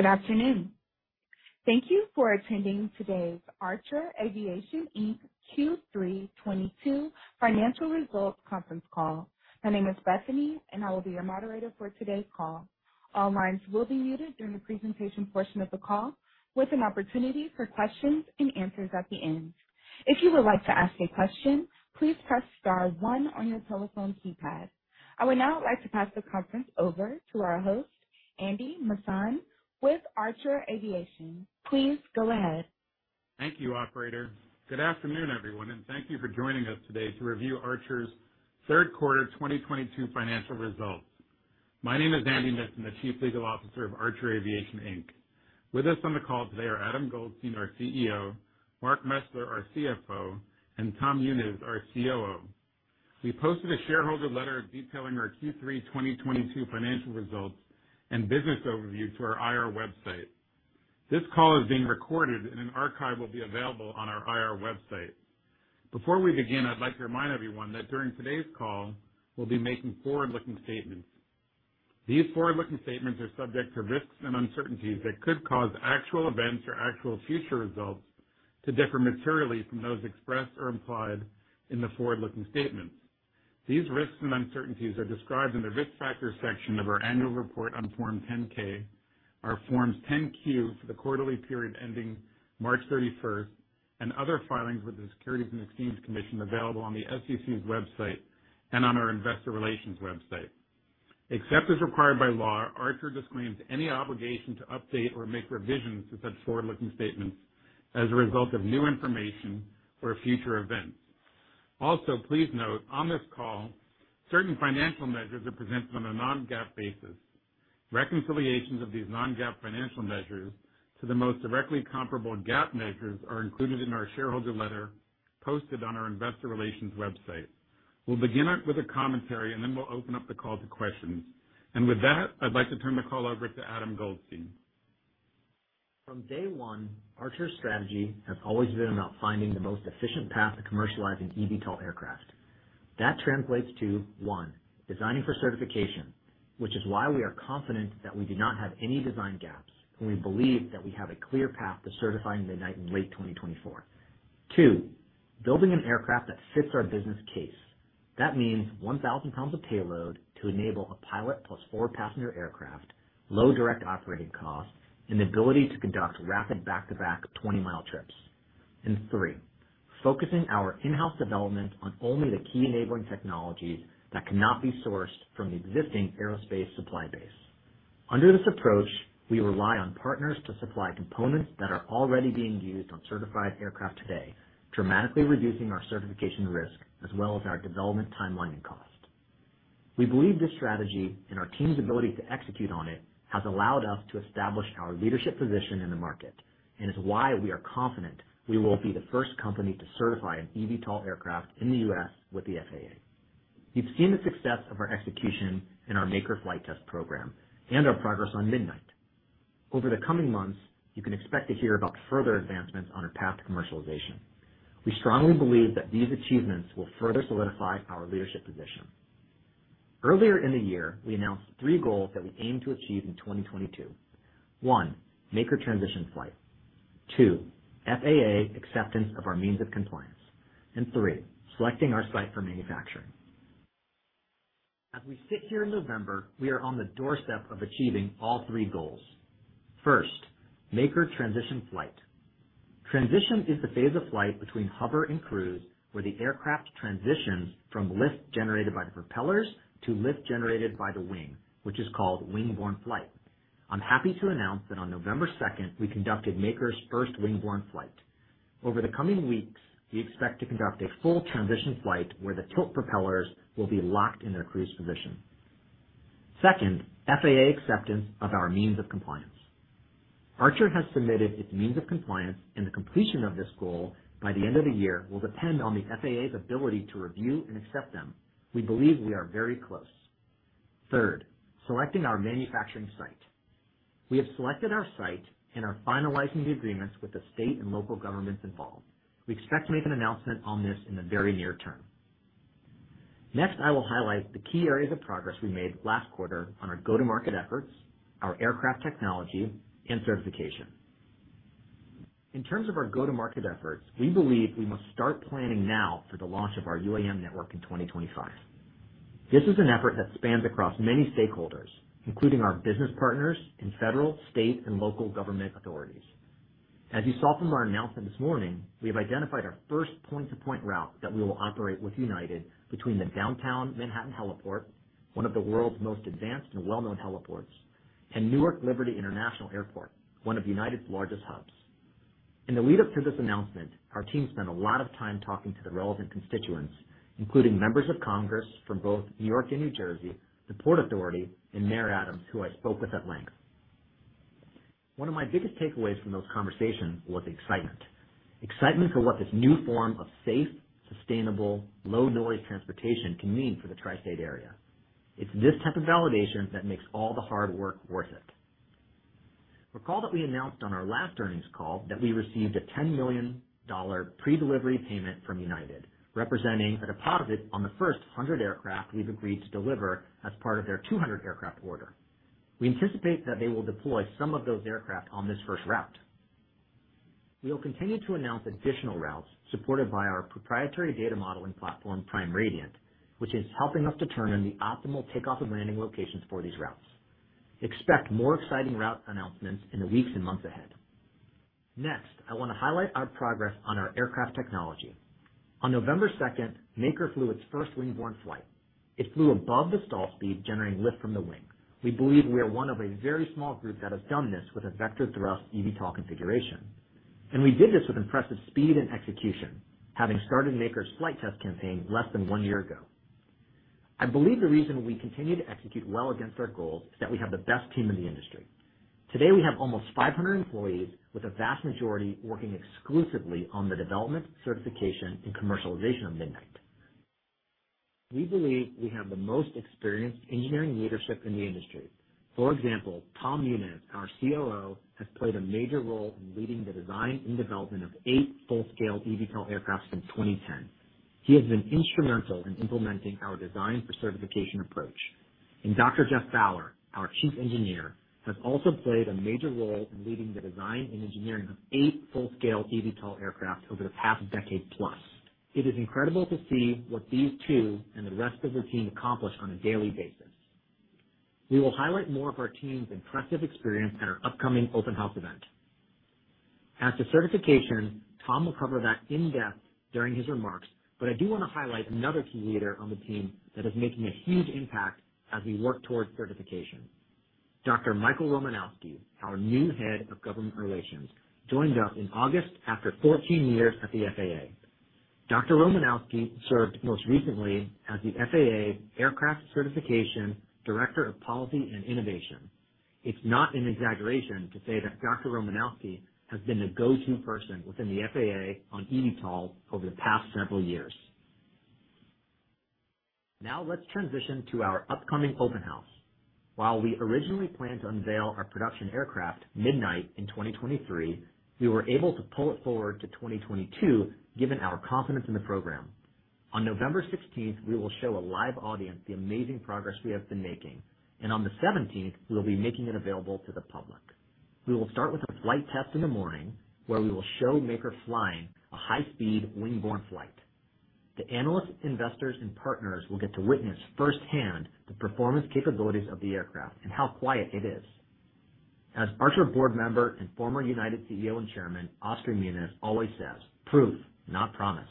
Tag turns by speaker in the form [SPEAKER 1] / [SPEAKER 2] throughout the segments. [SPEAKER 1] Good afternoon. Thank you for attending today's Archer Aviation Inc. Q3 2022 financial results conference call. My name is Bethany, and I will be your moderator for today's call. All lines will be muted during the presentation portion of the call, with an opportunity for questions and answers at the end. If you would like to ask a question, please press star one on your telephone keypad. I would now like to pass the conference over to our host, Andy Missan with Archer Aviation. Please go ahead.
[SPEAKER 2] Thank you, operator. Good afternoon, everyone, and thank you for joining us today to review Archer's third quarter 2022 financial results. My name is Andy Missan, the Chief Legal Officer of Archer Aviation Inc. With us on the call today are Adam Goldstein, our CEO, Mark Mesler, our CFO, and Tom Muniz, our COO. We posted a shareholder letter detailing our Q3 2022 financial results and business overview to our IR website. This call is being recorded and an archive will be available on our IR website. Before we begin, I'd like to remind everyone that during today's call, we'll be making forward-looking statements. These forward-looking statements are subject to risks and uncertainties that could cause actual events or actual future results to differ materially from those expressed or implied in the forward-looking statements. These risks and uncertainties are described in the Risk Factors section of our annual report on Form 10-K, our Forms 10-Q for the quarterly period ending March 31st, and other filings with the Securities and Exchange Commission available on the SEC's website and on our investor relations website. Except as required by law, Archer disclaims any obligation to update or make revisions to such forward-looking statements as a result of new information or future events. Also, please note, on this call, certain financial measures are presented on a non-GAAP basis. Reconciliations of these non-GAAP financial measures to the most directly comparable GAAP measures are included in our shareholder letter posted on our investor relations website. We'll begin with a commentary, and then we'll open up the call to questions. With that, I'd like to turn the call over to Adam Goldstein.
[SPEAKER 3] From day one, Archer's strategy has always been about finding the most efficient path to commercializing eVTOL aircraft. That translates to, one, designing for certification, which is why we are confident that we do not have any design gaps, and we believe that we have a clear path to certifying Midnight in late 2024. Two, building an aircraft that fits our business case. That means 1,000 lbs of payload to enable a pilot plus four passenger aircraft, low direct operating costs, and the ability to conduct rapid back-to-back 20-mile trips. Three, focusing our in-house development on only the key enabling technologies that cannot be sourced from the existing aerospace supply base. Under this approach, we rely on partners to supply components that are already being used on certified aircraft today, dramatically reducing our certification risk as well as our development timeline and cost. We believe this strategy and our team's ability to execute on it has allowed us to establish our leadership position in the market and is why we are confident we will be the first company to certify an eVTOL aircraft in the U.S. with the FAA. You've seen the success of our execution in our Maker flight test program and our progress on Midnight. Over the coming months, you can expect to hear about further advancements on our path to commercialization. We strongly believe that these achievements will further solidify our leadership position. Earlier in the year, we announced three goals that we aim to achieve in 2022. One, Maker transition flight. Two, FAA acceptance of our means of compliance. Three, selecting our site for manufacturing. As we sit here in November, we are on the doorstep of achieving all three goals. First, Maker transition flight. Transition is the phase of flight between hover and cruise, where the aircraft transitions from lift generated by the propellers to lift generated by the wing, which is called wing-borne flight. I'm happy to announce that on November 2nd, we conducted Maker's first wing-borne flight. Over the coming weeks, we expect to conduct a full transition flight where the tilt propellers will be locked in their cruise position. Second, FAA acceptance of our means of compliance. Archer has submitted its means of compliance, and the completion of this goal by the end of the year will depend on the FAA's ability to review and accept them. We believe we are very close. Third, selecting our manufacturing site. We have selected our site and are finalizing the agreements with the state and local governments involved. We expect to make an announcement on this in the very near term. Next, I will highlight the key areas of progress we made last quarter on our go-to-market efforts, our aircraft technology, and certification. In terms of our go-to-market efforts, we believe we must start planning now for the launch of our UAM network in 2025. This is an effort that spans across many stakeholders, including our business partners and federal, state, and local government authorities. As you saw from our announcement this morning, we have identified our first point-to-point route that we will operate with United between the Downtown Manhattan Heliport, one of the world's most advanced and well-known heliports, and Newark Liberty International Airport, one of United's largest hubs. In the lead-up to this announcement, our team spent a lot of time talking to the relevant constituents, including members of Congress from both N.Y. and New Jersey, the Port Authority, and Mayor Adams, who I spoke with at length. One of my biggest takeaways from those conversations was excitement. Excitement for what this new form of safe, sustainable, low-noise transportation can mean for the tri-state area. It's this type of validation that makes all the hard work worth it. Recall that we announced on our last earnings call that we received a $10 million pre-delivery payment from United, representing a deposit on the first 100 aircraft we've agreed to deliver as part of their 200 aircraft order. We anticipate that they will deploy some of those aircraft on this first route. We will continue to announce additional routes supported by our proprietary data modeling platform, Prime Radiant, which is helping us determine the optimal takeoff and landing locations for these routes. Expect more exciting route announcements in the weeks and months ahead. Next, I want to highlight our progress on our aircraft technology. On November 2nd, Maker flew its first wing-borne flight. It flew above the stall speed, generating lift from the wing. We believe we are one of a very small group that has done this with a vectored thrust EVTOL configuration. We did this with impressive speed and execution, having started Maker's flight test campaign less than 1 year ago. I believe the reason we continue to execute well against our goals is that we have the best team in the industry. Today, we have almost 500 employees, with a vast majority working exclusively on the development, certification, and commercialization of Midnight. We believe we have the most experienced engineering leadership in the industry. For example, Tom Muniz, our COO, has played a major role in leading the design and development of eight full-scale eVTOL aircraft since 2010. He has been instrumental in implementing our design for certification approach. Geoff Bower, our chief engineer, has also played a major role in leading the design and engineering of eight full-scale eVTOL aircraft over the past decade plus. It is incredible to see what these two and the rest of their team accomplish on a daily basis. We will highlight more of our team's impressive experience at our upcoming open house event. As to certification, Tom will cover that in depth during his remarks, but I do wanna highlight another key leader on the team that is making a huge impact as we work towards certification. Michael Romanowski, our new head of government relations, joined us in August after 14 years at the FAA. Michael Romanowski served most recently as the FAA Aircraft Certification Director of Policy and Innovation. It's not an exaggeration to say that Dr. Romanowski has been the go-to person within the FAA on eVTOL over the past several years. Now, let's transition to our upcoming open house. While we originally planned to unveil our production aircraft, Midnight, in 2023, we were able to pull it forward to 2022, given our confidence in the program. On November 16th, we will show a live audience the amazing progress we have been making. On the 17th, we'll be making it available to the public. We will start with a flight test in the morning, where we will show Maker flying a high-speed wing-borne flight. The analysts, investors, and partners will get to witness firsthand the performance capabilities of the aircraft and how quiet it is. As Archer board member and former United CEO and chairman, Oscar Munoz always says, "Proof, not promise."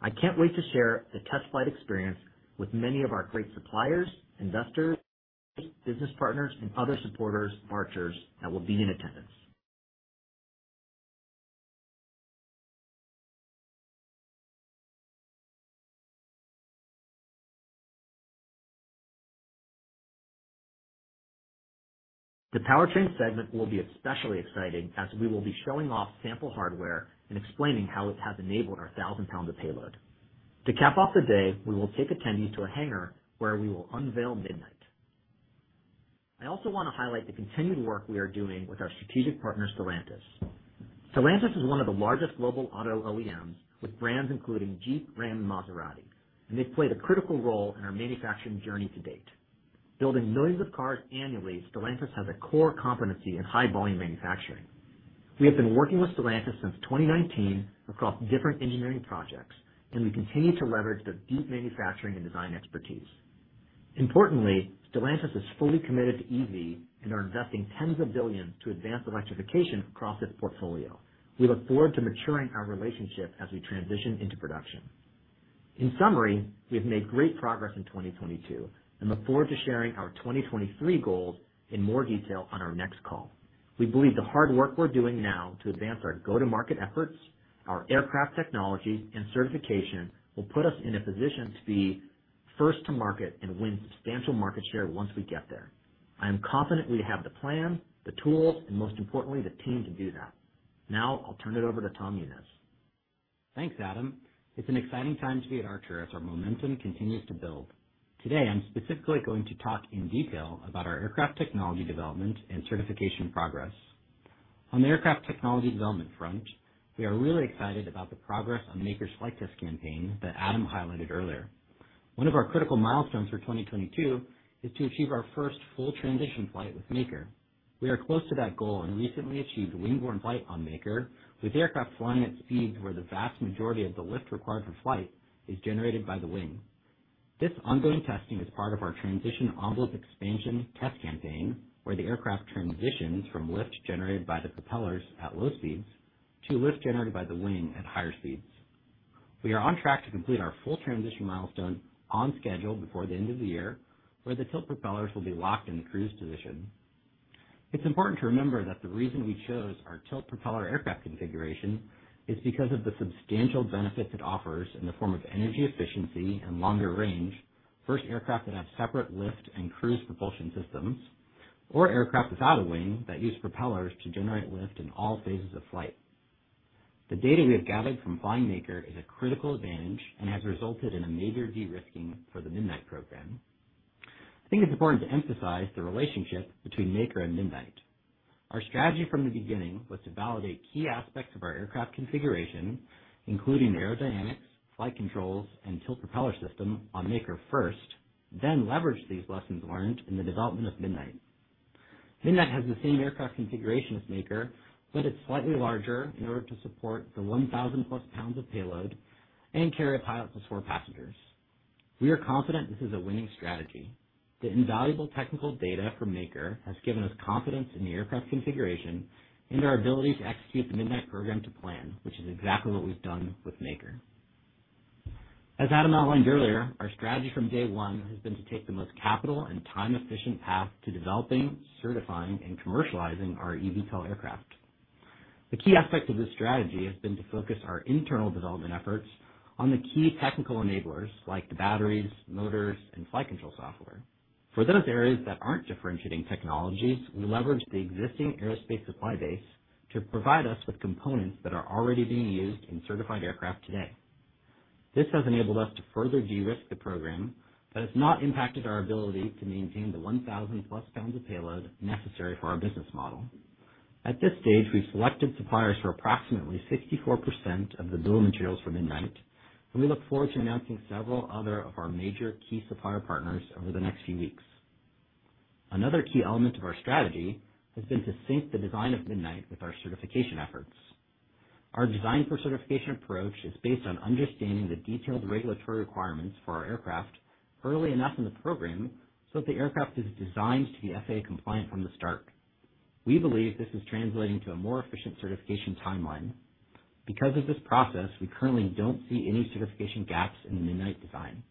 [SPEAKER 3] I can't wait to share the test flight experience with many of our great suppliers, investors, business partners, and other supporters of Archer's that will be in attendance. The powertrain segment will be especially exciting, as we will be showing off sample hardware and explaining how it has enabled our 1,000 lbs of payload. To cap off the day, we will take attendees to a hangar where we will unveil Midnight. I also want to highlight the continued work we are doing with our strategic partner, Stellantis. Stellantis is one of the largest global auto OEMs, with brands including Jeep, Ram, and Maserati, and they've played a critical role in our manufacturing journey to date. Building millions of cars annually, Stellantis has a core competency in high-volume manufacturing. We have been working with Stellantis since 2019 across different engineering projects, and we continue to leverage their deep manufacturing and design expertise. Importantly, Stellantis is fully committed to EV and are investing tens of billions to advance electrification across its portfolio. We look forward to maturing our relationship as we transition into production. In summary, we have made great progress in 2022 and look forward to sharing our 2023 goals in more detail on our next call. We believe the hard work we're doing now to advance our go-to-market efforts, our aircraft technology, and certification will put us in a position to be first to market and win substantial market share once we get there. I am confident we have the plan, the tools, and most importantly, the team to do that. Now, I'll turn it over to Tom Muniz.
[SPEAKER 4] Thanks, Adam. It's an exciting time to be at Archer as our momentum continues to build. Today, I'm specifically going to talk in detail about our aircraft technology development and certification progress. On the aircraft technology development front, we are really excited about the progress on Maker's flight test campaign that Adam highlighted earlier. One of our critical milestones for 2022 is to achieve our first full transition flight with Maker. We are close to that goal and recently achieved wing-borne flight on Maker with aircraft flying at speeds where the vast majority of the lift required for flight is generated by the wing. This ongoing testing is part of our transition envelope expansion test campaign, where the aircraft transitions from lift generated by the propellers at low speeds to lift generated by the wing at higher speeds. We are on track to complete our full transition milestone on schedule before the end of the year, where the tilt propellers will be locked in the cruise position. It's important to remember that the reason we chose our tilt propeller aircraft configuration is because of the substantial benefit it offers in the form of energy efficiency and longer range versus aircraft that have separate lift and cruise propulsion systems or aircraft without a wing that use propellers to generate lift in all phases of flight. The data we have gathered from flying Maker is a critical advantage and has resulted in a major de-risking for the Midnight program. I think it's important to emphasize the relationship between Maker and Midnight. Our strategy from the beginning was to validate key aspects of our aircraft configuration, including aerodynamics, flight controls, and tilt propeller system on Maker first. Then leverage these lessons learned in the development of Midnight. Midnight has the same aircraft configuration as Maker, but it's slightly larger in order to support the 1,000+ lbs of payload and carry a pilot plus four passengers. We are confident this is a winning strategy. The invaluable technical data from Maker has given us confidence in the aircraft configuration and our ability to execute the Midnight program to plan, which is exactly what we've done with Maker. As Adam outlined earlier, our strategy from day one has been to take the most capital and time-efficient path to developing, certifying, and commercializing our eVTOL aircraft. The key aspect of this strategy has been to focus our internal development efforts on the key technical enablers, like the batteries, motors, and flight control software. For those areas that aren't differentiating technologies, we leverage the existing aerospace supply base to provide us with components that are already being used in certified aircraft today. This has enabled us to further de-risk the program, but it's not impacted our ability to maintain the 1,000+ lbs of payload necessary for our business model. At this stage, we've selected suppliers for approximately 64% of the bill of materials for Midnight, and we look forward to announcing several other of our major key supplier partners over the next few weeks. Another key element of our strategy has been to sync the design of Midnight with our certification efforts. Our design for certification approach is based on understanding the detailed regulatory requirements for our aircraft early enough in the program so that the aircraft is designed to be FAA-compliant from the start. We believe this is translating to a more efficient certification timeline. Because of this process, we currently don't see any certification gaps in the Midnight design.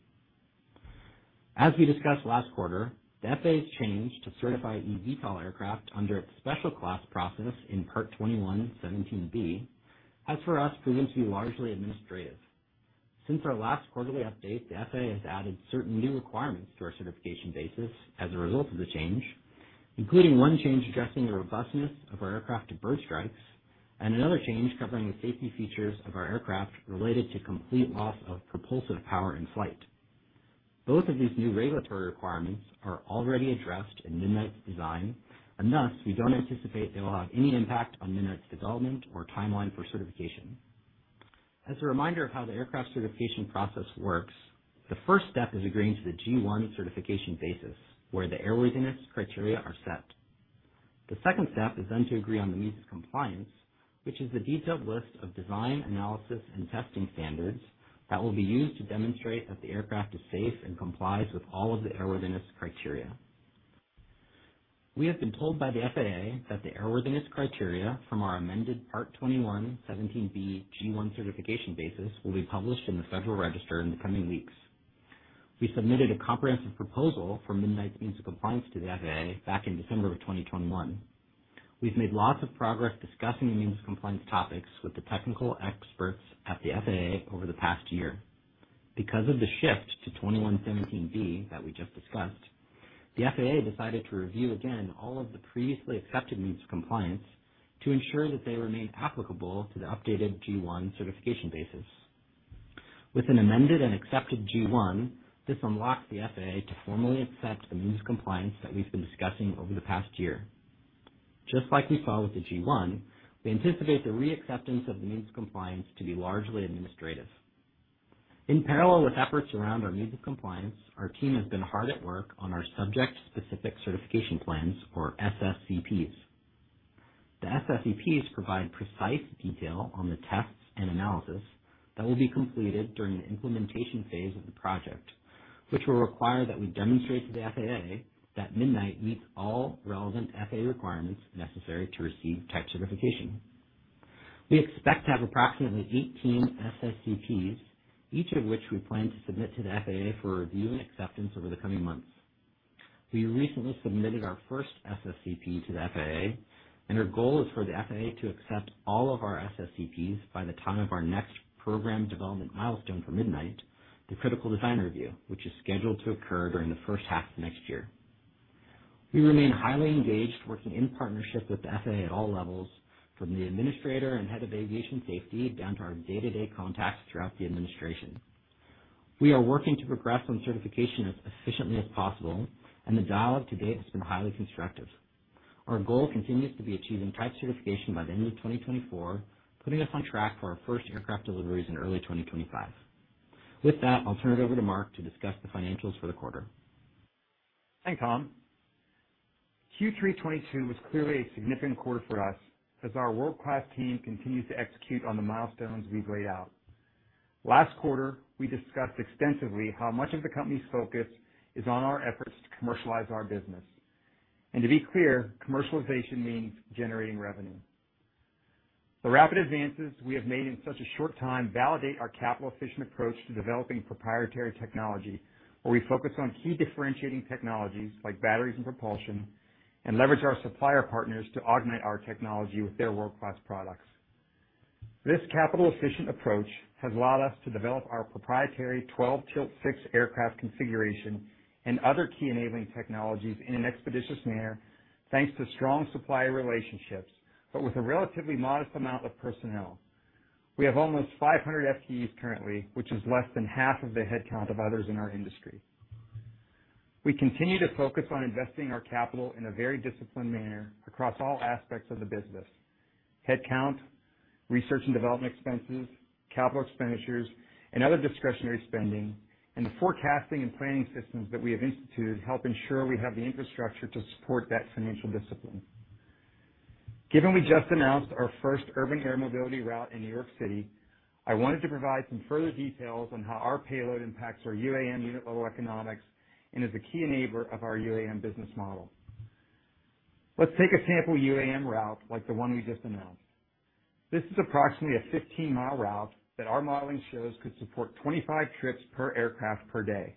[SPEAKER 4] As we discussed last quarter, the FAA's change to certify eVTOL aircraft under its special class process in Part 21.17(b), has for us proven to be largely administrative. Since our last quarterly update, the FAA has added certain new requirements to our certification basis as a result of the change, including one change addressing the robustness of our aircraft to bird strikes, and another change covering the safety features of our aircraft related to complete loss of propulsive power in flight. Both of these new regulatory requirements are already addressed in Midnight's design, and thus, we don't anticipate they will have any impact on Midnight's development or timeline for certification. As a reminder of how the aircraft certification process works, the first step is agreeing to the G1 certification basis, where the airworthiness criteria are set. The second step is then to agree on the means of compliance, which is the detailed list of design, analysis, and testing standards that will be used to demonstrate that the aircraft is safe and complies with all of the airworthiness criteria. We have been told by the FAA that the airworthiness criteria from our amended Part 21.17(b) G1 certification basis will be published in the Federal Register in the coming weeks. We submitted a comprehensive proposal for Midnight's means of compliance to the FAA back in December 2021. We've made lots of progress discussing the means of compliance topics with the technical experts at the FAA over the past year. Because of the shift to 21.17(b) that we just discussed, the FAA decided to review again all of the previously accepted means of compliance to ensure that they remain applicable to the updated G1 certification basis. With an amended and accepted G1, this unlocks the FAA to formally accept the means of compliance that we've been discussing over the past year. Just like we saw with the G1, we anticipate the re-acceptance of the means of compliance to be largely administrative. In parallel with efforts around our means of compliance, our team has been hard at work on our subject-specific certification plans, or SSCPs. The SSCPs provide precise detail on the tests and analysis that will be completed during the implementation phase of the project, which will require that we demonstrate to the FAA that Midnight meets all relevant FAA requirements necessary to receive type certification. We expect to have approximately 18 SSCPs, each of which we plan to submit to the FAA for review and acceptance over the coming months. We recently submitted our first SSCP to the FAA, and our goal is for the FAA to accept all of our SSCPs by the time of our next program development milestone for Midnight, the critical design review, which is scheduled to occur during the first half of next year. We remain highly engaged, working in partnership with the FAA at all levels, from the administrator and head of aviation safety down to our day-to-day contacts throughout the administration. We are working to progress on certification as efficiently as possible, and the dialogue to date has been highly constructive. Our goal continues to be achieving type certification by the end of 2024, putting us on track for our first aircraft deliveries in early 2025. With that, I'll turn it over to Mark to discuss the financials for the quarter.
[SPEAKER 5] Thanks, Tom. Q3 2022 was clearly a significant quarter for us as our world-class team continues to execute on the milestones we've laid out. Last quarter, we discussed extensively how much of the company's focus is on our efforts to commercialize our business. To be clear, commercialization means generating revenue. The rapid advances we have made in such a short time validate our capital-efficient approach to developing proprietary technology, where we focus on key differentiating technologies like batteries and propulsion, and leverage our supplier partners to augment our technology with their world-class products. This capital-efficient approach has allowed us to develop our proprietary twelve-tilt-six aircraft configuration and other key enabling technologies in an expeditious manner, thanks to strong supplier relationships, but with a relatively modest amount of personnel. We have almost 500 FTEs currently, which is less than half of the headcount of others in our industry. We continue to focus on investing our capital in a very disciplined manner across all aspects of the business. Headcount, research and development expenses, capital expenditures and other discretionary spending and the forecasting and planning systems that we have instituted help ensure we have the infrastructure to support that financial discipline. Given we just announced our first urban air mobility route in New York City, I wanted to provide some further details on how our payload impacts our UAM unit level economics and is a key enabler of our UAM business model. Let's take a sample UAM route like the one we just announced. This is approximately a 15-mile route that our modeling shows could support 25 trips per aircraft per day.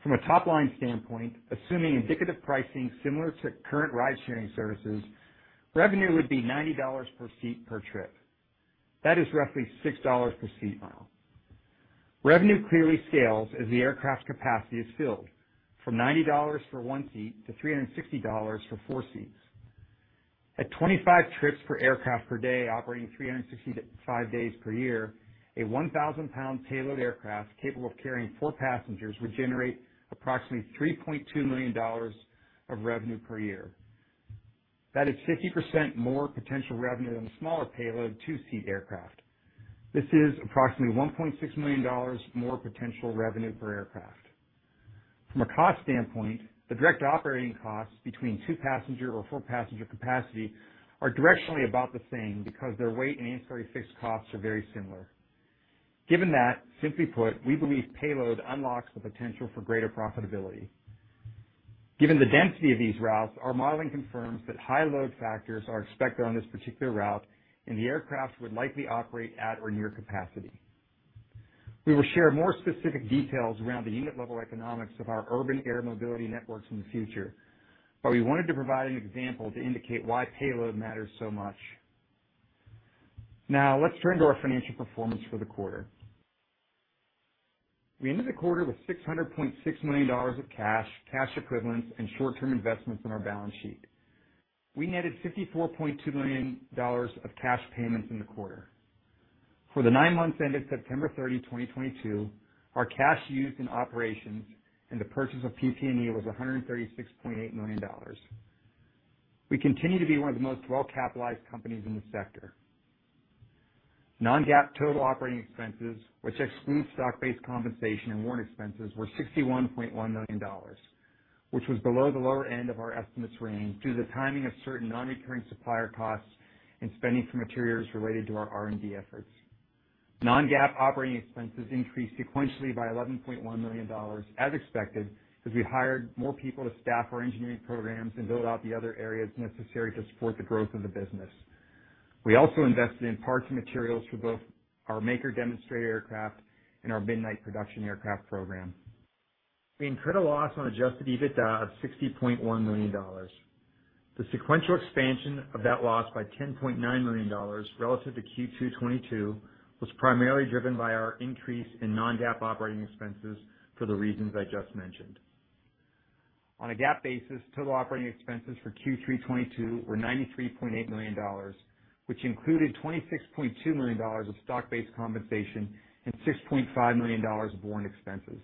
[SPEAKER 5] From a top-line standpoint, assuming indicative pricing similar to current ride-sharing services, revenue would be $90 per seat per trip. That is roughly $6 per seat mile. Revenue clearly scales as the aircraft capacity is filled from $90 for one seat to $360 for four seats. At 25 trips per aircraft per day, operating 365 days per year, a 1,000 lbs payload aircraft capable of carrying four passengers would generate approximately $3.2 million of revenue per year. That is 50% more potential revenue than the smaller payload two-seat aircraft. This is approximately $1.6 million more potential revenue per aircraft. From a cost standpoint, the direct operating costs between two-passenger or four-passenger capacity are directionally about the same because their weight and ancillary fixed costs are very similar. Given that, simply put, we believe payload unlocks the potential for greater profitability. Given the density of these routes, our modeling confirms that high load factors are expected on this particular route and the aircraft would likely operate at or near capacity. We will share more specific details around the unit level economics of our urban air mobility networks in the future, but we wanted to provide an example to indicate why payload matters so much. Now, let's turn to our financial performance for the quarter. We ended the quarter with $600.6 million of cash equivalents, and short-term investments on our balance sheet. We netted $54.2 million of cash payments in the quarter. For the nine months ended September 30, 2022, our cash used in operations and the purchase of PP&E was $136.8 million. We continue to be one of the most well-capitalized companies in this sector. Non-GAAP total operating expenses, which excludes stock-based compensation and warrant expenses, were $61.1 million, which was below the lower end of our estimates range due to the timing of certain non-recurring supplier costs and spending for materials related to our R&D efforts. Non-GAAP operating expenses increased sequentially by $11.1 million as expected, as we hired more people to staff our engineering programs and build out the other areas necessary to support the growth of the business. We also invested in parts and materials for both our Maker demonstrator aircraft and our Midnight production aircraft program. We incurred a loss on adjusted EBITDA of $60.1 million. The sequential expansion of that loss by $10.9 million relative to Q2 2022 was primarily driven by our increase in non-GAAP operating expenses for the reasons I just mentioned. On a GAAP basis, total operating expenses for Q3 2022 were $93.8 million, which included $26.2 million of stock-based compensation and $6.5 million of warrant expenses.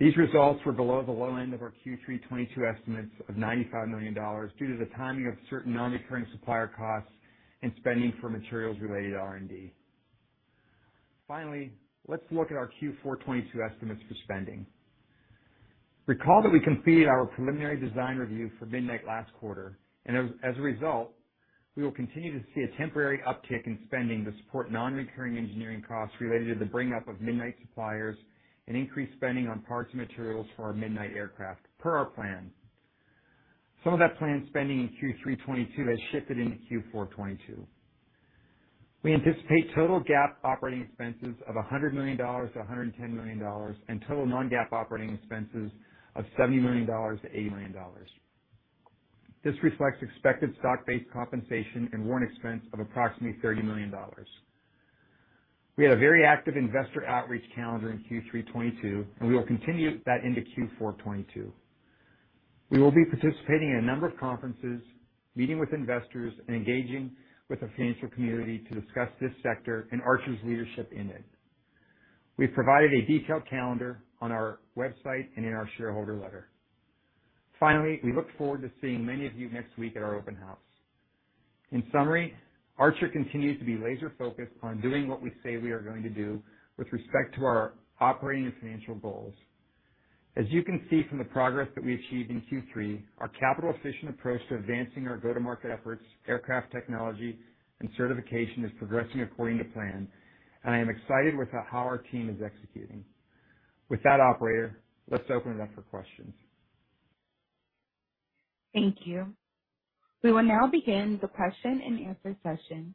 [SPEAKER 5] These results were below the low end of our Q3 2022 estimates of $95 million due to the timing of certain non-recurring supplier costs and spending for materials related to R&D. Finally, let's look at our Q4 2022 estimates for spending. Recall that we completed our Preliminary Design Review for Midnight last quarter, and as a result, we will continue to see a temporary uptick in spending to support non-recurring engineering costs related to the bring up of Midnight suppliers and increased spending on parts and materials for our Midnight aircraft per our plan. Some of that planned spending in Q3 2022 has shifted into Q4 2022. We anticipate total GAAP operating expenses of $100 million-$110 million and total non-GAAP operating expenses of $70 million-$80 million. This reflects expected stock-based compensation and warrant expense of approximately $30 million. We had a very active investor outreach calendar in Q3 2022, and we will continue that into Q4 2022. We will be participating in a number of conferences, meeting with investors, and engaging with the financial community to discuss this sector and Archer's leadership in it. We've provided a detailed calendar on our website and in our shareholder letter. Finally, we look forward to seeing many of you next week at our open house. In summary, Archer continues to be laser-focused on doing what we say we are going to do with respect to our operating and financial goals. As you can see from the progress that we achieved in Q3, our capital efficient approach to advancing our go-to-market efforts, aircraft technology and certification is progressing according to plan, and I am excited with how our team is executing. With that, operator, let's open it up for questions.
[SPEAKER 1] Thank you. We will now begin the question and answer session.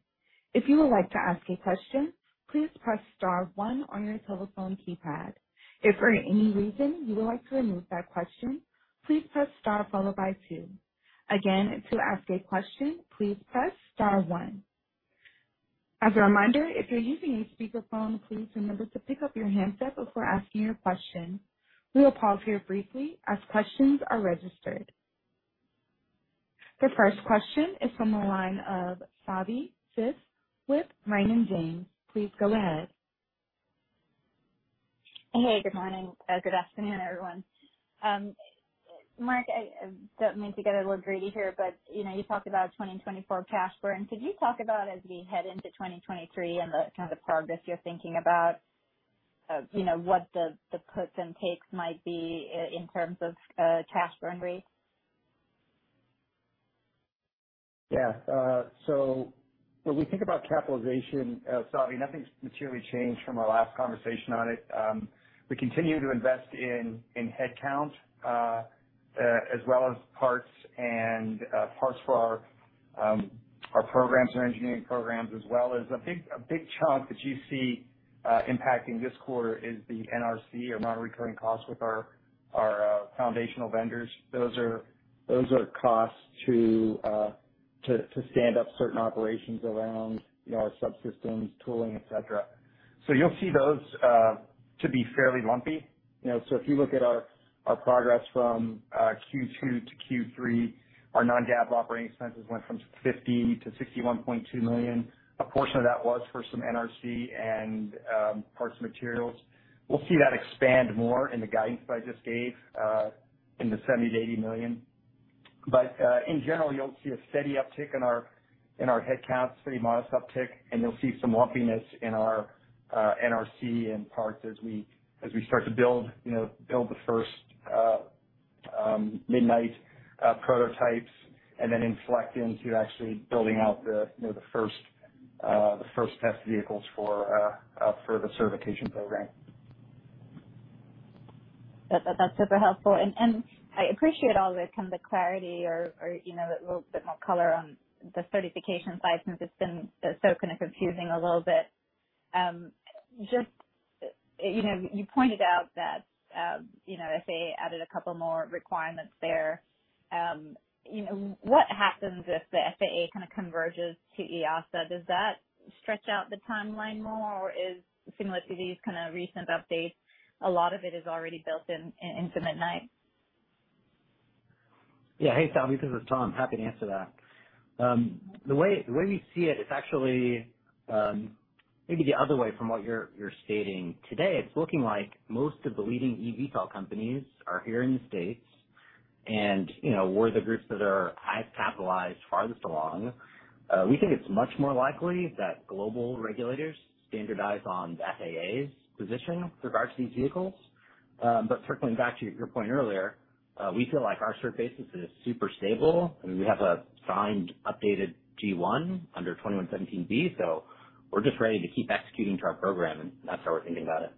[SPEAKER 1] If you would like to ask a question, please press star one on your telephone keypad. If for any reason you would like to remove that question, please press star followed by two. Again, to ask a question, please press star one. As a reminder, if you're using a speakerphone, please remember to pick up your handset before asking your question. We will pause here briefly as questions are registered. The first question is from the line of Savi Syth with Raymond James. Please go ahead.
[SPEAKER 6] Hey, good morning, good afternoon, everyone. Mark, I don't mean to get a little greedy here, but you know, you talked about 2024 cash burn. Could you talk about as we head into 2023 and the kind of progress you're thinking about, you know, what the puts and takes might be in terms of cash burn rates?
[SPEAKER 5] Yeah. When we think about capitalization, Savi, nothing's materially changed from our last conversation on it. We continue to invest in head count as well as parts for our programs and engineering programs as well. There's a big chunk that you see impacting this quarter is the NRC or non-recurring costs with our foundational vendors. Those are costs to stand up certain operations around, you know, our subsystems, tooling, et cetera. You'll see those to be fairly lumpy. You know, if you look at our progress from Q2 to Q3, our non-GAAP operating expenses went from $50 million to $61.2 million. A portion of that was for some NRC and parts and materials. We'll see that expand more in the guidance that I just gave in the $70 million-$80 million. In general, you'll see a steady uptick in our headcounts, pretty modest uptick, and you'll see some lumpiness in our NRC and parts as we start to build, you know, build the first Midnight prototypes and then inflect into actually building out the, you know, the first test vehicles for the certification program.
[SPEAKER 6] That's super helpful. I appreciate all the kind of clarity or you know, a little bit more color on the certification side since it's been so kind of confusing a little bit. Just, you know, you pointed out that, you know, FAA added a couple more requirements there. You know, what happens if the FAA kind of converges to EASA? Does that stretch out the timeline more? Or is similar to these kind of recent updates, a lot of it is already built into Midnight?
[SPEAKER 4] Yeah. Hey, Savi, this is Tom. Happy to answer that. The way we see it's actually maybe the other way from what you're stating. Today, it's looking like most of the leading eVTOL companies are here in the States, and, you know, we're the groups that are highest capitalized, farthest along. We think it's much more likely that global regulators standardize on the FAA's position with regards to these vehicles. Circling back to your point earlier, we feel like our cert basis is super stable. I mean, we have a signed, updated G1 under 21.17(b), so we're just ready to keep executing to our program, and that's how we're thinking about it.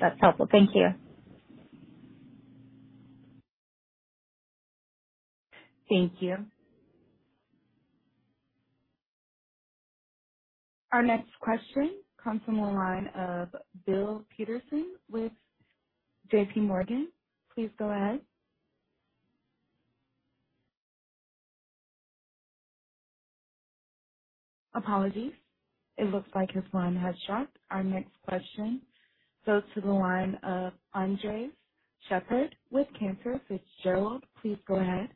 [SPEAKER 6] That's helpful. Thank you.
[SPEAKER 1] Thank you. Our next question comes from the line of Bill Peterson with JPMorgan. Please go ahead. Apologies. It looks like his line has dropped. Our next question goes to the line of Andres Sheppard with Cantor Fitzgerald. Please go ahead.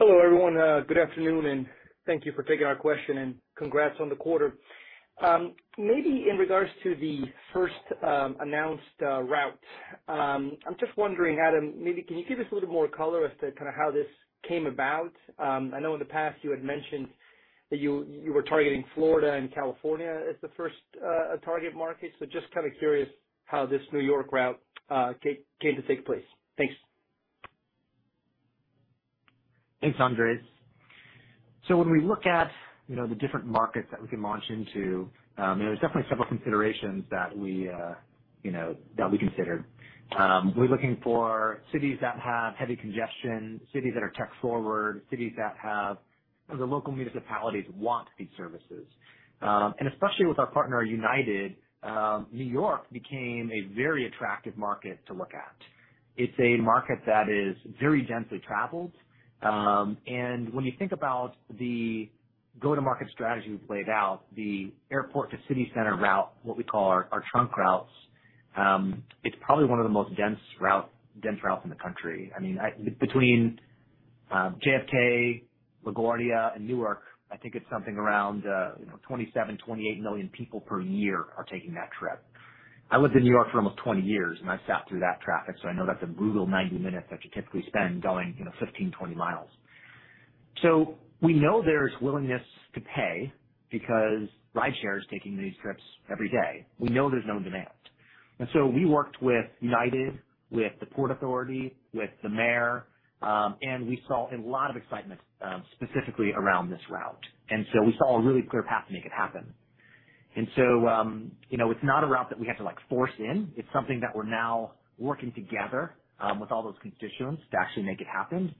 [SPEAKER 7] Hello, everyone. Good afternoon, and thank you for taking our question, and congrats on the quarter. Maybe in regards to the first announced route, I'm just wondering, Adam, maybe can you give us a little more color as to kinda how this came about? I know in the past you had mentioned that you were targeting Florida and California as the first target market, so just kind of curious how this New York route came to take place. Thanks.
[SPEAKER 3] Thanks, Andres. When we look at, you know, the different markets that we can launch into, you know, there's definitely several considerations that we, you know, that we considered. We're looking for cities that have heavy congestion, cities that are tech forward, cities that have the local municipalities want these services. Especially with our partner, United, New York became a very attractive market to look at. It's a market that is very densely traveled. When you think about the go-to-market strategy we've laid out, the airport-to-city center route, what we call our trunk routes, it's probably one of the most dense routes in the country. I mean, between JFK, LaGuardia and Newark, I think it's something around, you know, 27, 28 million people per year are taking that trip. I lived in New York for almost 20 years, and I sat through that traffic, so I know that's a brutal 90 minutes that you typically spend going, you know, 15, 20 mi. We know there's willingness to pay because Rideshare is taking these trips every day. We know there's known demand. We worked with United, with the Port Authority, with the mayor, and we saw a lot of excitement, specifically around this route. We saw a really clear path to make it happen. You know, it's not a route that we have to, like, force in. It's something that we're now working together with all those constituents to actually make it happen.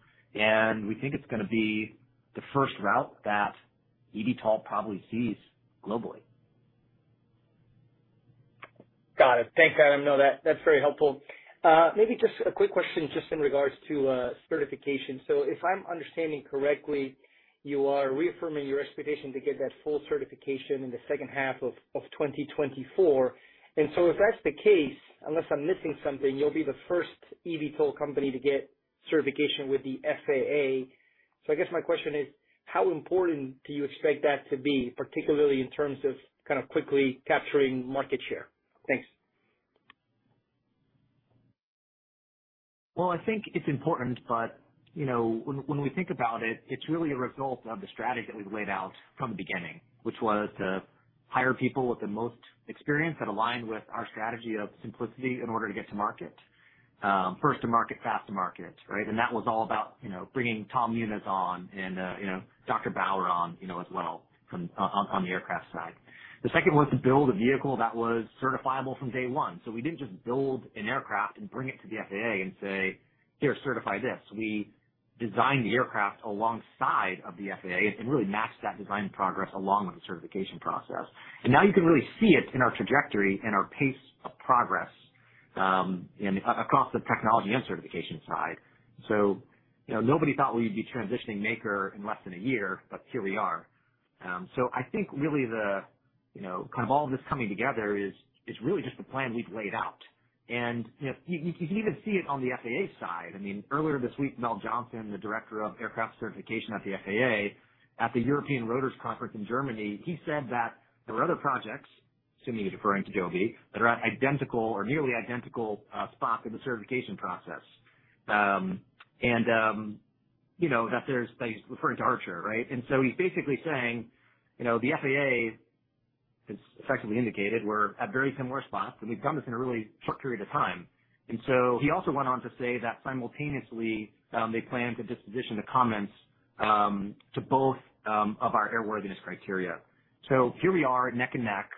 [SPEAKER 3] We think it's gonna be the first route that eVTOL probably sees globally.
[SPEAKER 7] Got it. Thanks, Adam. No, that's very helpful. Maybe just a quick question just in regards to certification. If I'm understanding correctly, you are reaffirming your expectation to get that full certification in the second half of 2024. If that's the case, unless I'm missing something, you'll be the first eVTOL company to get certification with the FAA. I guess my question is, how important do you expect that to be, particularly in terms of kind of quickly capturing market share? Thanks.
[SPEAKER 3] Well, I think it's important, but you know, when we think about it's really a result of the strategy that we've laid out from the beginning, which was to hire people with the most experience that align with our strategy of simplicity in order to get to market. First to market, fast to market, right? That was all about, you know, bringing Tom Muniz on and, you know, Dr. Bower on, you know, as well from on the aircraft side. The second was to build a vehicle that was certifiable from day one. We didn't just build an aircraft and bring it to the FAA and say, "Here, certify this." We designed the aircraft alongside of the FAA and really matched that design progress along with the certification process. Now you can really see it in our trajectory and our pace of progress, across the technology and certification side. You know, nobody thought we'd be transitioning Maker in less than a year, but here we are. I think really the, you know, kind of all of this coming together is really just the plan we've laid out. You know, you can even see it on the FAA side. I mean, earlier this week, Mel Johnson, the Director of Aircraft Certification at the FAA, at the European Rotors Conference in Germany, he said that there were other projects, assuming he's referring to Joby, that are at identical or nearly identical spot in the certification process. You know, that there's that he's referring to Archer, right? He's basically saying, you know, the FAA has effectively indicated we're at very similar spots, and we've done this in a really short period of time. He also went on to say that simultaneously, they plan to disposition the comments to both of our airworthiness criteria. Here we are neck and neck,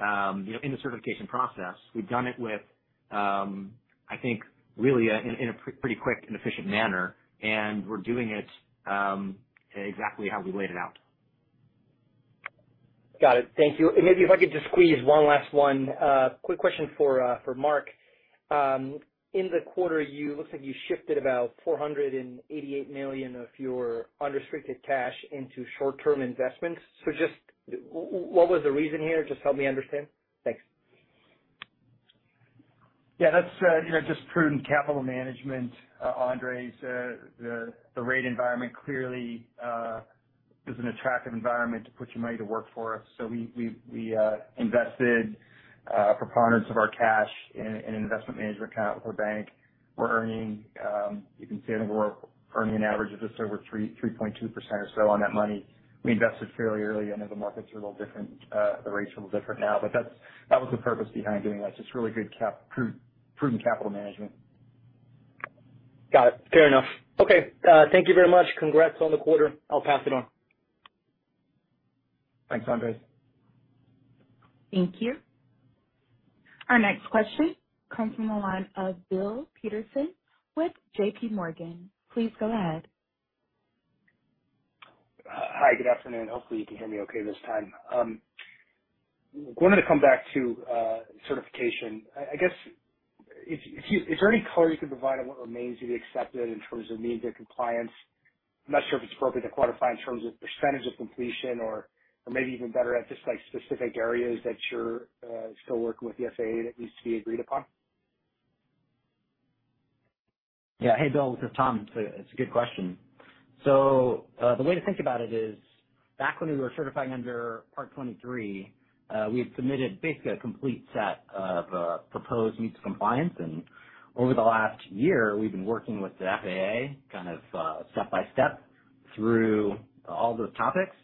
[SPEAKER 3] you know, in the certification process. We've done it with, I think really in a pretty quick and efficient manner, and we're doing it exactly how we laid it out.
[SPEAKER 7] Got it. Thank you. Maybe if I could just squeeze one last one. Quick question for Mark. In the quarter, it looks like you shifted about $488 million of your unrestricted cash into short-term investments. What was the reason here? Just help me understand. Thanks.
[SPEAKER 5] Yeah, that's you know, just prudent capital management, Andres Sheppard. The rate environment clearly is an attractive environment to put your money to work for us. We invested preponderance of our cash in an investment management account with our bank. We're earning, you can see that we're earning an average of just over 3.2% or so on that money. We invested fairly early, I know the markets are a little different, the rates are a little different now, but that was the purpose behind doing that. Just really good prudent capital management.
[SPEAKER 7] Got it. Fair enough. Okay. Thank you very much. Congrats on the quarter. I'll pass it on.
[SPEAKER 5] Thanks, Andres.
[SPEAKER 1] Thank you. Our next question comes from the line of Bill Peterson with JPMorgan. Please go ahead.
[SPEAKER 8] Hi, good afternoon. Hopefully you can hear me okay this time. Wanted to come back to certification. I guess, is there any color you can provide on what remains to be accepted in terms of means of compliance? I'm not sure if it's appropriate to quantify in terms of percentage of completion or maybe even better at just like specific areas that you're still working with the FAA that needs to be agreed upon.
[SPEAKER 4] Yeah. Hey, Bill, this is Tom. It's a good question. The way to think about it is back when we were certifying under Part 23, we had submitted basically a complete set of proposed means of compliance. Over the last year, we've been working with the FAA, kind of step-by-step through all those topics.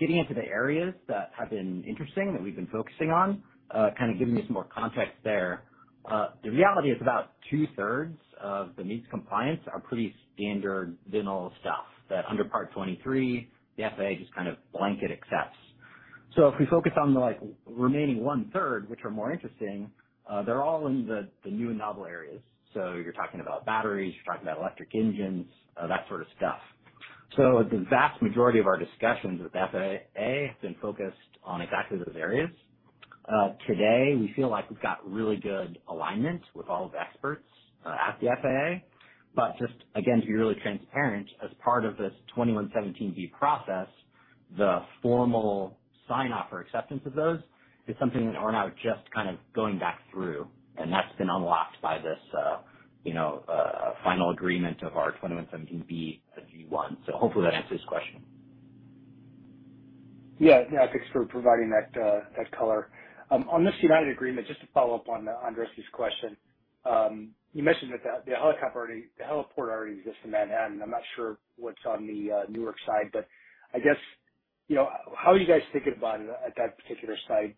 [SPEAKER 4] Getting into the areas that have been interesting that we've been focusing on, kind of giving you some more context there. The reality is about two-thirds of the means of compliance are pretty standard vanilla stuff that under Part 23, the FAA just kind of blanket accepts. If we focus on the, like, remaining one-third, which are more interesting, they're all in the new and novel areas. You're talking about batteries, you're talking about electric engines, that sort of stuff.
[SPEAKER 3] The vast majority of our discussions with FAA have been focused on exactly those areas. Today, we feel like we've got really good alignment with all the experts at the FAA. Just again, to be really transparent, as part of this 21.17(b) process, the formal sign off or acceptance of those is something that we're now just kind of going back through and that's been unlocked by this, you know, final agreement of our 21.17(b), G1. Hopefully that answers your question.
[SPEAKER 8] Yeah. Thanks for providing that color. On this United agreement, just to follow up on Andres Sheppard's question. You mentioned that the heliport already exists in Manhattan. I'm not sure what's on the Newark side, but I guess, you know, how are you guys thinking about it at that particular site?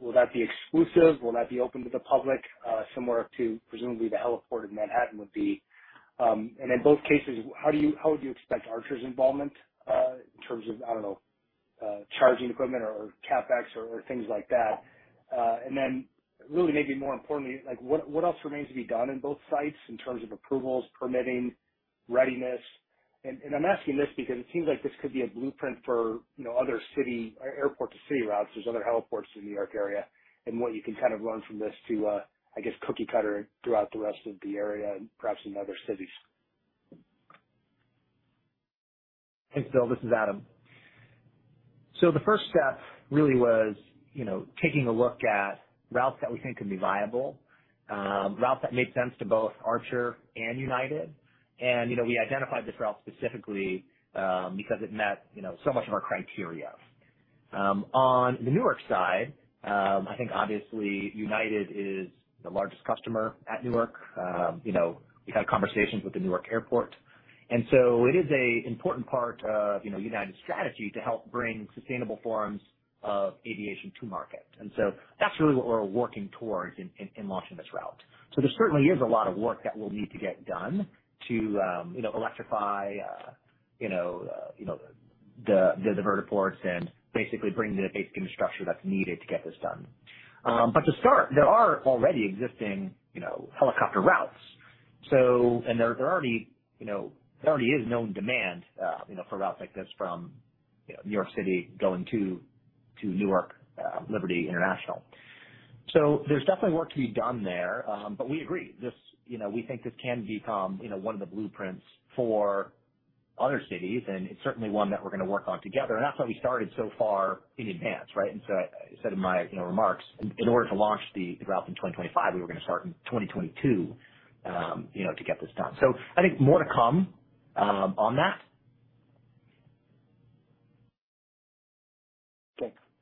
[SPEAKER 8] Will that be exclusive? Will that be open to the public, similar to presumably the heliport in Manhattan would be? In both cases, how would you expect Archer's involvement, in terms of, I don't know, charging equipment or CapEx or things like that? Then really maybe more importantly, like what else remains to be done in both sites in terms of approvals, permitting, readiness? I'm asking this because it seems like this could be a blueprint for, you know, other city or airport to city routes. There's other heliports in the New York area, and what you can kind of learn from this to, I guess, cookie-cutter throughout the rest of the area and perhaps in other cities.
[SPEAKER 3] Thanks, Bill. This is Adam. The first step really was, you know, taking a look at routes that we think can be viable, routes that make sense to both Archer and United. You know, we identified this route specifically, because it met, you know, so much of our criteria. On the Newark side, I think obviously United is the largest customer at Newark. You know, we had conversations with the Newark Airport, and so it is an important part of, you know, United's strategy to help bring sustainable forms of aviation to market. That's really what we're working towards in launching this route. There certainly is a lot of work that we'll need to get done to, you know, electrify, you know, the vertiports and basically bring the basic infrastructure that's needed to get this done. To start, there are already existing, you know, helicopter routes. There already is known demand, you know, for routes like this from, you know, New York City going to Newark Liberty International. There's definitely work to be done there. We agree. We think this can become, you know, one of the blueprints for other cities, and it's certainly one that we're gonna work on together, and that's why we started so far in advance, right? I said in my, you know, remarks, in order to launch the route in 2025, we were gonna start in 2022, you know, to get this done. I think more to come on that.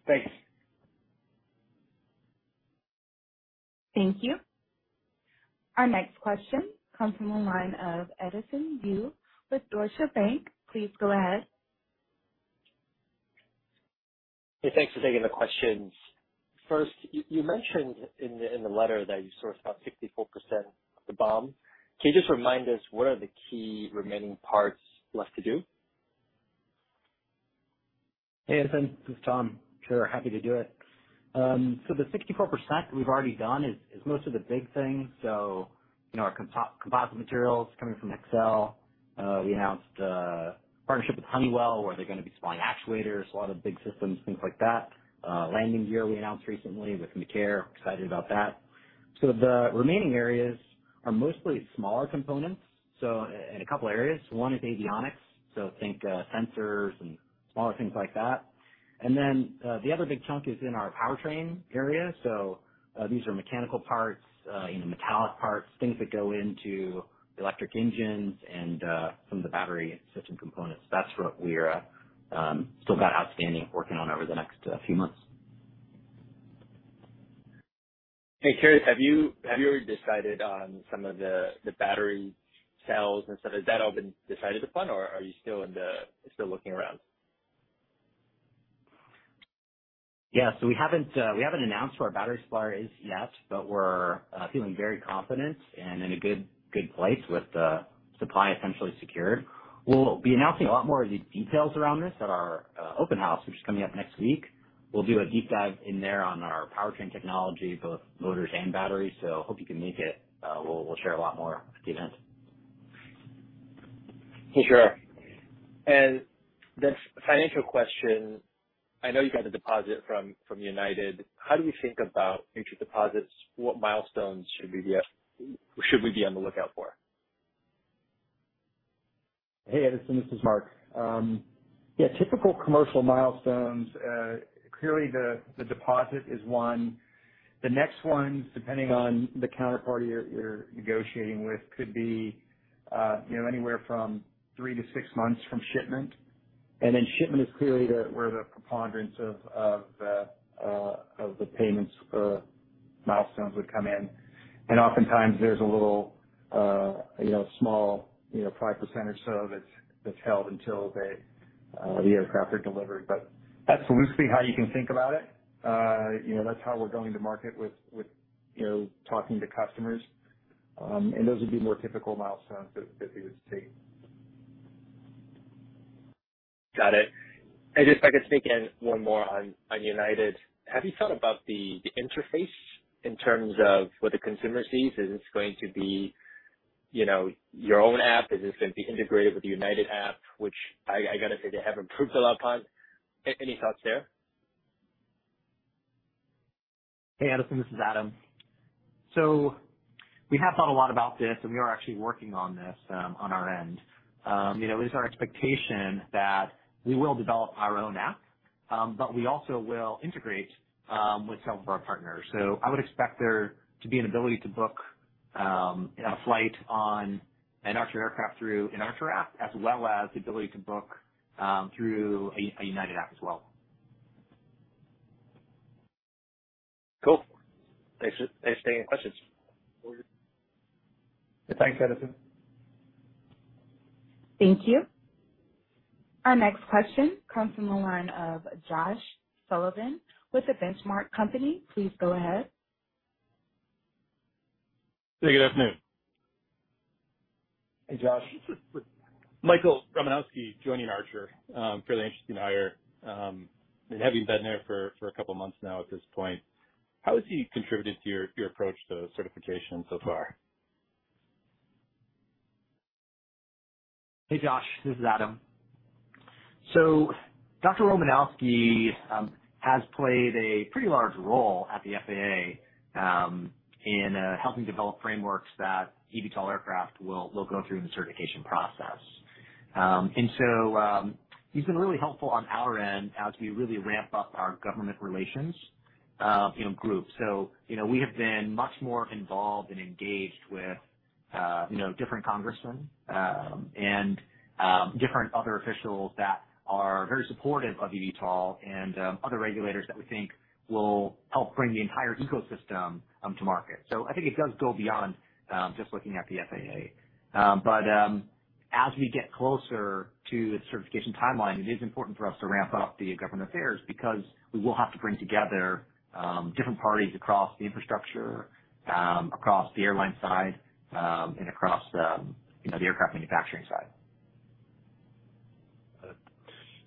[SPEAKER 8] Okay. Thanks.
[SPEAKER 1] Thank you. Our next question comes from the line of Edison Yu with Deutsche Bank. Please go ahead.
[SPEAKER 9] Hey, thanks for taking the questions. First, you mentioned in the letter that you sourced about 64% of the BOM. Can you just remind us what are the key remaining parts left to do?
[SPEAKER 4] Hey, Edison Yu, this is Tom. Sure. Happy to do it. The 64% we've already done is most of the big things. You know, our composite materials coming from Hexcel. We announced a partnership with Honeywell, where they're gonna be supplying actuators, a lot of big systems, things like that. Landing gear we announced recently with Mecaer. Excited about that. The remaining areas are mostly smaller components, so in a couple areas. One is avionics, so think sensors and smaller things like that. The other big chunk is in our powertrain area. These are mechanical parts, you know, metallic parts, things that go into electric engines and some of the battery system components. That's what we're still got outstanding, working on over the next few months.
[SPEAKER 9] Hey, curious, have you decided on some of the battery cells and stuff? Has that all been decided upon, or are you still looking around?
[SPEAKER 4] Yeah. We haven't announced who our battery supplier is yet, but we're feeling very confident and in a good place with the supply essentially secured. We'll be announcing a lot more of the details around this at our open house, which is coming up next week. We'll do a deep dive in there on our powertrain technology, both motors and batteries. Hope you can make it. We'll share a lot more at the event.
[SPEAKER 9] Hey, sure. Financial question. I know you got the deposit from United. How do you think about future deposits? What milestones should we be on the lookout for?
[SPEAKER 5] Hey, Edison Yu, this is Mark Mesler. Yeah, typical commercial milestones, clearly the deposit is one. The next one, depending on the counterparty you're negotiating with, could be, you know, anywhere from three to six months from shipment. Then shipment is clearly the where the preponderance of the payments milestones would come in. Oftentimes there's a little, you know, small, you know, 5% that's held until they the aircraft are delivered. That's loosely how you can think about it. You know, that's how we're going to market with, you know, talking to customers. Those would be more typical milestones that you would see.
[SPEAKER 9] Got it. Just if I could sneak in one more on United. Have you thought about the interface in terms of what the consumer sees? Is this going to be, you know, your own app? Is this going to be integrated with the United app, which I gotta say, they have improved a lot on? Any thoughts there?
[SPEAKER 3] Hey, Edison Yu, this is Adam Goldstein. We have thought a lot about this, and we are actually working on this on our end. You know, it is our expectation that we will develop our own app, but we also will integrate with some of our partners. I would expect there to be an ability to book, you know, a flight on an Archer aircraft through an Archer app, as well as the ability to book through a United app as well.
[SPEAKER 9] Cool. Thanks for taking the questions. Over.
[SPEAKER 5] Thanks, Edison.
[SPEAKER 1] Thank you. Our next question comes from the line of Josh Sullivan with The Benchmark Company. Please go ahead.
[SPEAKER 10] Hey, good afternoon.
[SPEAKER 3] Hey, Josh.
[SPEAKER 10] Michael Romanowski joining Archer, fairly interesting hire. Having been there for a couple months now at this point, how has he contributed to your approach to certification so far?
[SPEAKER 3] Hey, Josh, this is Adam. Dr. Michael Romanowski has played a pretty large role at the FAA in helping develop frameworks that eVTOL aircraft will go through in the certification process. He's been really helpful on our end as we really ramp up our government relations, you know, group. You know, we have been much more involved and engaged with, you know, different congressmen and different other officials that are very supportive of eVTOL and other regulators that we think will help bring the entire ecosystem to market. I think it does go beyond just looking at the FAA. As we get closer to the certification timeline, it is important for us to ramp up government affairs because we will have to bring together different parties across the infrastructure, across the airline side, and across, you know, the aircraft manufacturing side.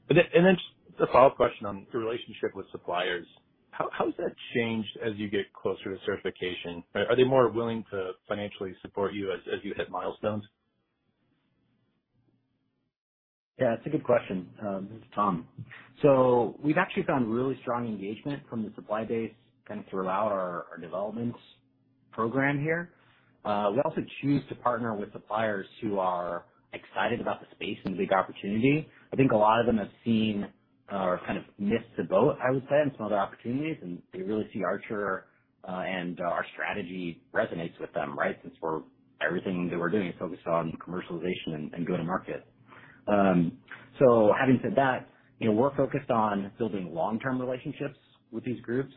[SPEAKER 10] Got it. Just a follow-up question on the relationship with suppliers. How has that changed as you get closer to certification? Are they more willing to financially support you as you hit milestones?
[SPEAKER 4] Yeah, that's a good question. This is Tom. We've actually found really strong engagement from the supply base kind of throughout our development program here. We also choose to partner with suppliers who are excited about the space and big opportunity. I think a lot of them have seen or kind of missed the boat, I would say, on some other opportunities, and they really see Archer and our strategy resonates with them, right? Since everything that we're doing is focused on commercialization and go to market. Having said that, you know, we're focused on building long-term relationships with these groups,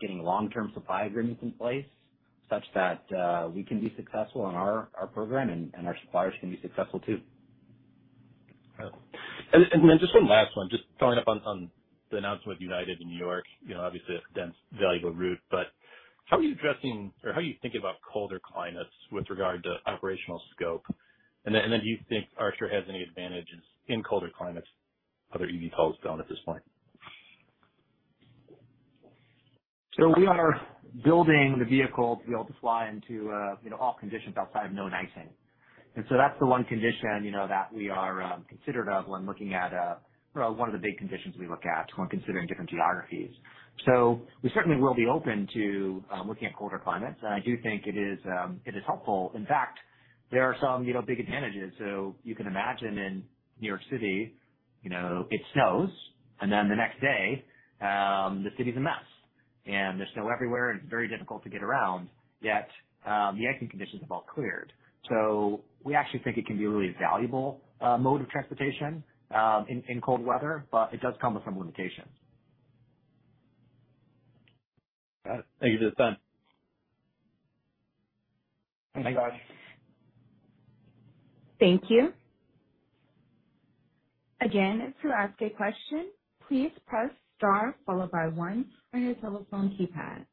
[SPEAKER 4] getting long-term supply agreements in place such that we can be successful in our program and our suppliers can be successful too.
[SPEAKER 10] Got it. Then just one last one, just following up on the announcement with United in New York. You know, obviously a dense, valuable route. How are you addressing or how are you thinking about colder climates with regard to operational scope? Then do you think Archer has any advantages in colder climates other eVTOLs don't at this point?
[SPEAKER 3] We are building the vehicle to be able to fly into, you know, all conditions outside of no icing. That's the one condition you know that we are considerate of when looking at, or one of the big conditions we look at when considering different geographies. We certainly will be open to looking at colder climates. I do think it is helpful. In fact, there are some, you know, big advantages. You can imagine in New York City, you know, it snows and then the next day, the city's a mess and there's snow everywhere, and it's very difficult to get around, yet the icing conditions have all cleared. We actually think it can be a really valuable mode of transportation in cold weather, but it does come with some limitations.
[SPEAKER 10] Got it. Thank you for the time.
[SPEAKER 3] Thanks, guys.
[SPEAKER 1] Thank you. Again, to ask a question, please press star followed by one on your telephone keypad.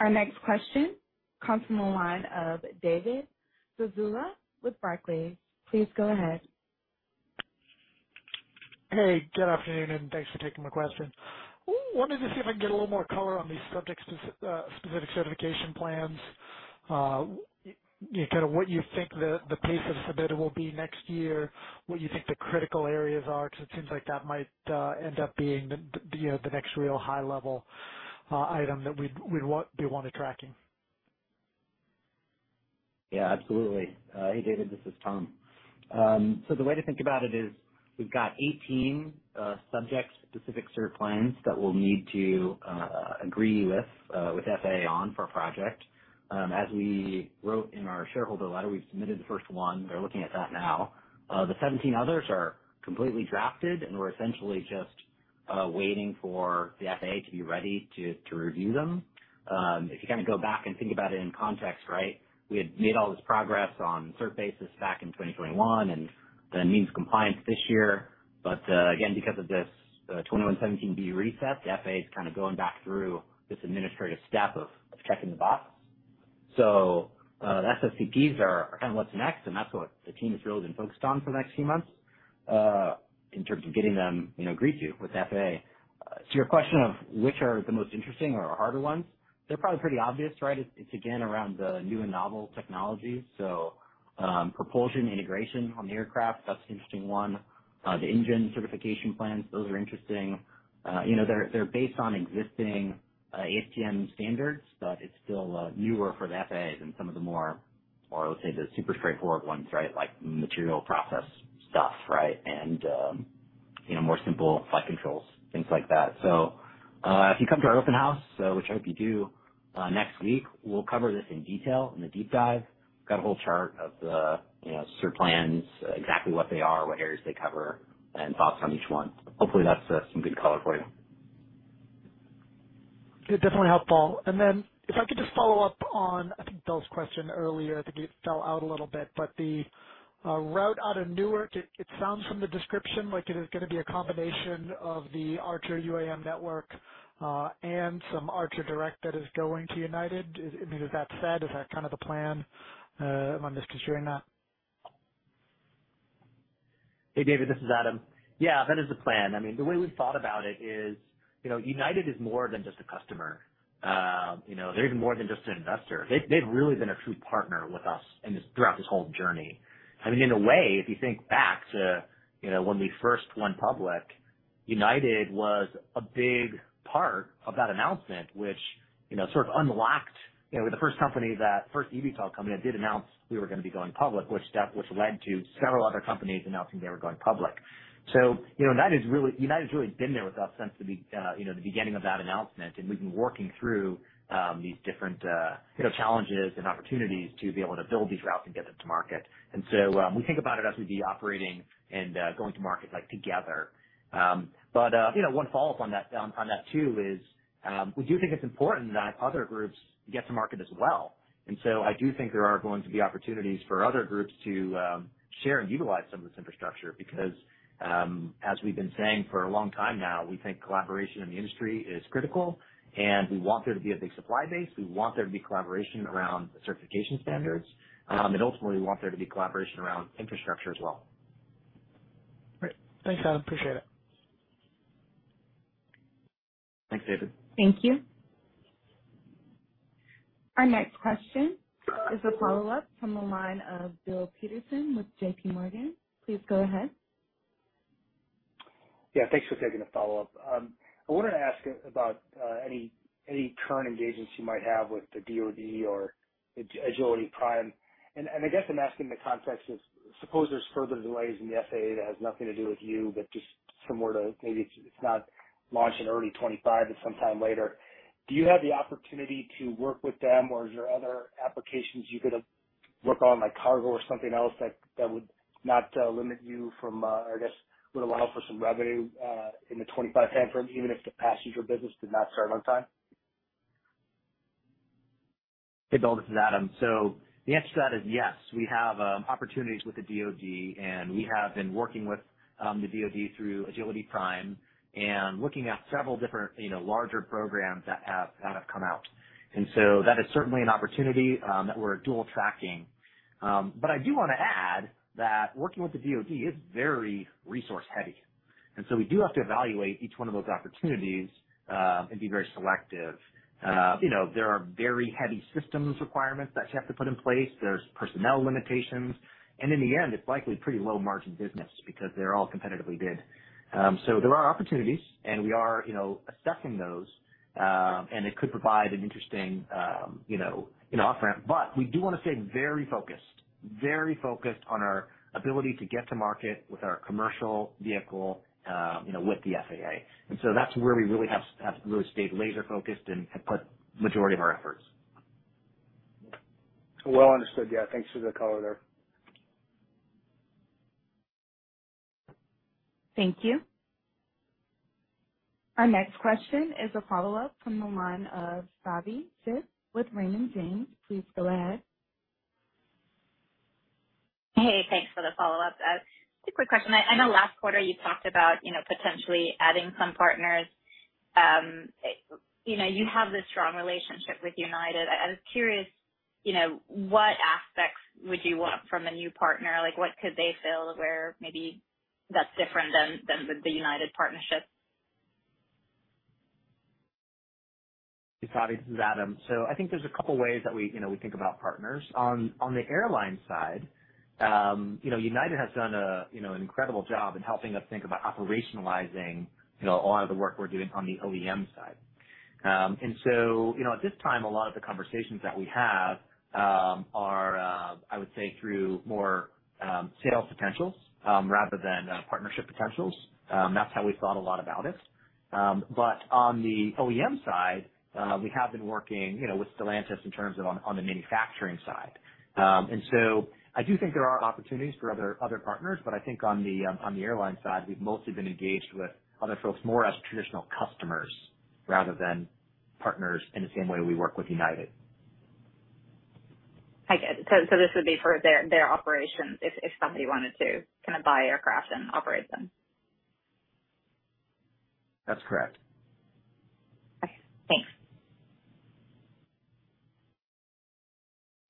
[SPEAKER 1] Our next question comes from the line of David Zazula with Barclays. Please go ahead.
[SPEAKER 11] Hey, good afternoon, and thanks for taking my question. Wanted to see if I can get a little more color on these Subject Specific Certification Plans. You know, kind of what you think the pace of submittal will be next year, what you think the critical areas are, because it seems like that might end up being the next real high level item that we'd want tracking?
[SPEAKER 4] Yeah, absolutely. Hey, David, this is Tom. The way to think about it is we've got 18 subject-specific cert plans that we'll need to agree with the FAA on for a project. As we wrote in our shareholder letter, we've submitted the first one. They're looking at that now. The 17 others are completely drafted, and we're essentially just waiting for the FAA to be ready to review them. If you kind of go back and think about it in context, right, we had made all this progress on cert basis back in 2021 and then means of compliance this year. Again, because of this 21.17(b) reset, the FAA is kind of going back through this administrative step of checking the box. The SSCPs are kind of what's next, and that's what the team is really been focused on for the next few months in terms of getting them, you know, greenlit with FAA. Your question of which are the most interesting or are harder ones, they're probably pretty obvious, right? It's again around the new and novel technologies. Propulsion integration on the aircraft, that's an interesting one. The engine certification plans, those are interesting. You know, they're based on existing ASTM standards, but it's still newer for the FAA than some of the more, let's say, the super straightforward ones, right? Like material process stuff, right? And you know, more simple flight controls, things like that. If you come to our open house, which I hope you do, next week, we'll cover this in detail in the deep dive. Got a whole chart of the, you know, cert plans, exactly what they are, what areas they cover, and thoughts on each one. Hopefully that's some good color for you.
[SPEAKER 11] Yeah, definitely helpful. If I could just follow up on, I think Bill's question earlier. I think it fell out a little bit, but the route out of Newark, it sounds from the description like it is gonna be a combination of the Archer UAM network, and some Archer Direct that is going to United. I mean, is that said, is that kind of the plan? Am I misconstruing that?
[SPEAKER 3] Hey, David, this is Adam. Yeah, that is the plan. I mean, the way we've thought about it is, you know, United is more than just a customer. You know, they're even more than just an investor. They've really been a true partner with us in this throughout this whole journey. I mean, in a way, if you think back to, you know, when we first went public. United was a big part of that announcement, which, you know, sort of unlocked, you know, we're the first eVTOL company that did announce we were gonna be going public, which led to several other companies announcing they were going public. You know, United's really been there with us since the beginning of that announcement, and we've been working through these different, you know, challenges and opportunities to be able to build these routes and get them to market. We think about it as we'd be operating and going to market, like, together. You know, one follow-up on that, on that too, is we do think it's important that other groups get to market as well. I do think there are going to be opportunities for other groups to share and utilize some of this infrastructure because, as we've been saying for a long time now, we think collaboration in the industry is critical, and we want there to be a big supply base. We want there to be collaboration around certification standards, and ultimately we want there to be collaboration around infrastructure as well.
[SPEAKER 11] Great. Thanks, Adam. Appreciate it.
[SPEAKER 3] Thanks, David.
[SPEAKER 1] Thank you. Our next question is a follow-up from the line of Bill Peterson with JPMorgan. Please go ahead.
[SPEAKER 8] Yeah, thanks for taking the follow-up. I wanted to ask about any current engagements you might have with the DoD or Agility Prime. I guess I'm asking in the context of suppose there's further delays in the FAA that has nothing to do with you, but just somewhere to maybe it's not launching early 2025 but sometime later. Do you have the opportunity to work with them, or is there other applications you could work on, like cargo or something else, that would not limit you from, I guess, would allow for some revenue in the 2025 timeframe, even if the passenger business did not start on time?
[SPEAKER 3] Hey, Bill, this is Adam. The answer to that is yes. We have opportunities with the DoD, and we have been working with the DoD through Agility Prime and looking at several different, you know, larger programs that have come out. That is certainly an opportunity that we're dual tracking. I do wanna add that working with the DoD is very resource heavy, and so we do have to evaluate each one of those opportunities and be very selective. You know, there are very heavy systems requirements that you have to put in place. There's personnel limitations, and in the end, it's likely pretty low-margin business because they're all competitively bid. There are opportunities, and we are, you know, assessing those, and it could provide an interesting, you know, off-ramp. We do wanna stay very focused on our ability to get to market with our commercial vehicle, you know, with the FAA. That's where we really have really stayed laser focused and put majority of our efforts.
[SPEAKER 8] Well understood. Yeah, thanks for the color there.
[SPEAKER 1] Thank you. Our next question is a follow-up from the line of Savi Syth with Raymond James. Please go ahead.
[SPEAKER 6] Hey, thanks for the follow-up. Just a quick question. I know last quarter you talked about, you know, potentially adding some partners. You know, you have this strong relationship with United. I was curious, you know, what aspects would you want from a new partner? Like, what could they fill where maybe that's different than the United partnership?
[SPEAKER 3] Hey, Savi, this is Adam. I think there's a couple ways that we, you know, we think about partners. On the airline side, you know, United has done a you know, an incredible job in helping us think about operationalizing, you know, a lot of the work we're doing on the OEM side. You know, at this time, a lot of the conversations that we have are, I would say through more sales potentials rather than partnership potentials. That's how we've thought a lot about it. On the OEM side, we have been working, you know, with Stellantis in terms of on the manufacturing side. I do think there are opportunities for other partners, but I think on the airline side, we've mostly been engaged with other folks more as traditional customers rather than partners in the same way we work with United.
[SPEAKER 6] I get it. This would be for their operations if somebody wanted to kind of buy aircraft and operate them.
[SPEAKER 3] That's correct.
[SPEAKER 6] Okay. Thanks.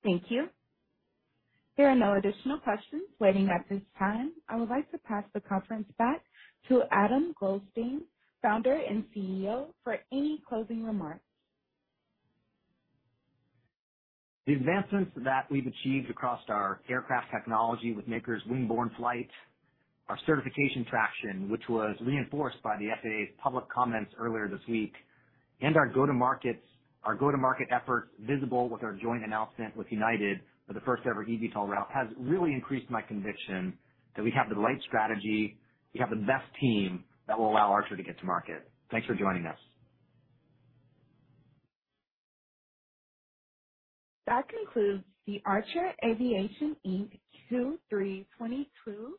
[SPEAKER 1] Thank you. There are no additional questions waiting at this time. I would like to pass the conference back to Adam Goldstein, Founder and CEO, for any closing remarks.
[SPEAKER 3] The advancements that we've achieved across our aircraft technology with Maker's wing-borne flight, our certification traction, which was reinforced by the FAA's public comments earlier this week, and our go to market efforts visible with our joint announcement with United for the first ever eVTOL route has really increased my conviction that we have the right strategy, we have the best team that will allow Archer to get to market. Thanks for joining us.
[SPEAKER 1] That concludes the Archer Aviation Inc. Q3 2022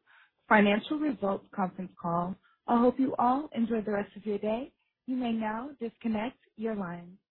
[SPEAKER 1] financial results conference call. I hope you all enjoy the rest of your day. You may now disconnect your line.